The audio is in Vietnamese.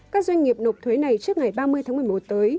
các doanh nghiệp nộp thuế này trước ngày ba mươi tháng một mươi một tới